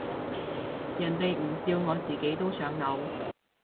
人哋唔笑我自己都想嘔